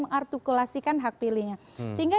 mengartikulasikan hak pilihnya sehingga